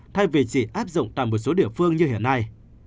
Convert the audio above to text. thay vì chỉ áp dụng tại một số địa phương như hiện nay